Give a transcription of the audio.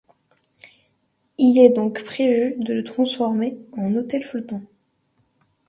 Il est donc prévu de le transformer en hôtel flottant.